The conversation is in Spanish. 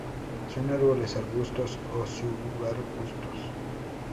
Son árboles, arbustos o subarbustos.